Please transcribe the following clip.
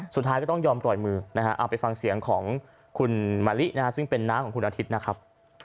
สุดท้ายก็ต้องยอมปล่อยมือนะฮะเอาไปฟังเสียงของคุณมะลินะฮะซึ่งเป็นน้าของคุณอาทิตย์นะครับ